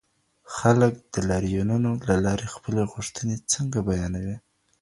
خلګ د لاريونونو له لاري خپلي غوښتنې څنګه بيانوي؟